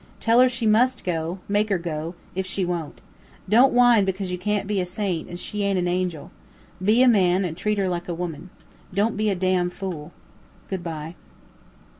Tell her she must go; make her go, if she won't. Don't whine because you can't be a saint, and she ain't an angel. Be a man and treat her like a woman. Don't be a damn fool. Good by."